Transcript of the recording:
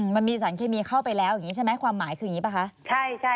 มันมีสารเคมีเข้าไปแล้วอย่างนี้ใช่ไหมความหมายคืออย่างนี้ป่ะคะ